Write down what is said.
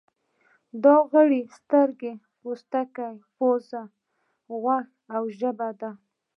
دا غړي سترګې، پوستکی، پزه، غوږ او ژبه دي.